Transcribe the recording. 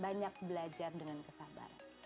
banyak belajar dengan kesabaran